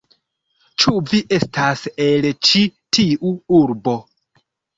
Ĉu vi estas el ĉi tiu urbo?